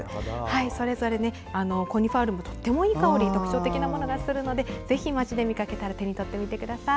それぞれコニファー類とってもいい香り特徴的なものがあるのでぜひ街で見かけたら手にとって見てください。